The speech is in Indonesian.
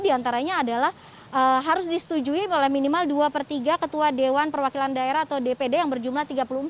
di antaranya adalah harus disetujui oleh minimal dua per tiga ketua dewan perwakilan daerah atau dpd yang berjumlah tiga puluh empat